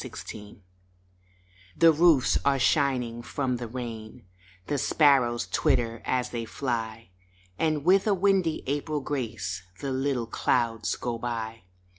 APRIL THE roofs are shining from the rain, The sparrows twitter as they fly, And with a windy April grace The little clouds go by.